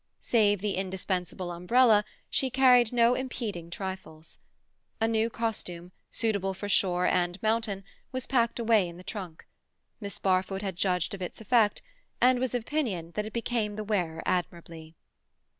Save the indispensable umbrella, she carried no impeding trifles. A new costume, suitable for shore and mountain, was packed away in the trunk; Miss Barfoot had judged of its effect, and was of opinion that it became the wearer admirably.